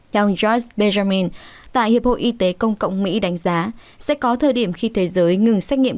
theo george benjamin tại hiệp hội y tế công cộng mỹ đánh giá sẽ có thời điểm khi thế giới ngừng xét nghiệm